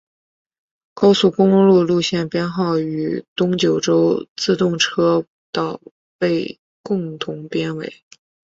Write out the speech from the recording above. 高速公路路线编号与东九州自动车道被共同编为。